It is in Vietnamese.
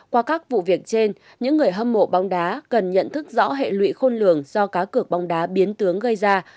qua các vụ việc trên những người hâm mộ bóng đá cần nhận thức rõ hệ lụy khôn lường do cá cược bóng đá biến tướng gây ra